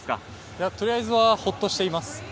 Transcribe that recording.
とりあえずはホッとしています。